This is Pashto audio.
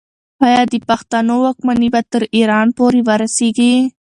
آیا د پښتنو واکمني به تر ایران پورې ورسیږي؟